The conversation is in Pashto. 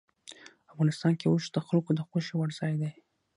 افغانستان کې اوښ د خلکو د خوښې وړ ځای دی.